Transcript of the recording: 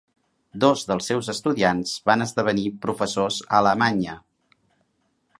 Dos dels seus estudiants van esdevenir professors a Alemanya.